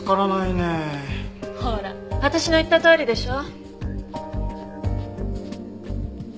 ほら私の言ったとおりでしょ。